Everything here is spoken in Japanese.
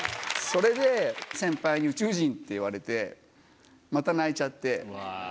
それで先輩に。って言われてまた泣いちゃって。